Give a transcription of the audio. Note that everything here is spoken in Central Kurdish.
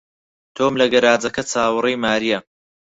تۆم لە گەراجەکە چاوەڕێی مارییە.